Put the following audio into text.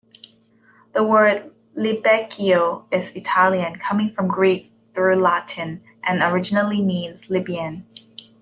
The word "libeccio" is Italian, coming from Greek through Latin, and originally means "Libyan".